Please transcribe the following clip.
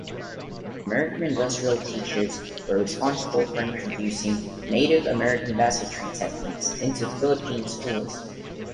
American industrial teachers were responsible for introducing Native American basketry techniques into Philippine schools.